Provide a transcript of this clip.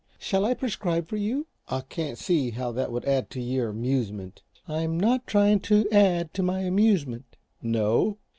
Shall I prescribe for you?" "I can't see how that would add to your amusement." "I'm not trying to add to my amusement." "No?"